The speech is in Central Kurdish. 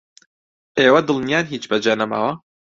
ئێوە دڵنیان هیچ بەجێ نەماوە؟